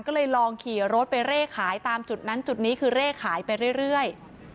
ก็เลยลองขี่รถไปเร่ขายตามจุดนั้นจุดนี้คือเร่ขายไปเรื่อย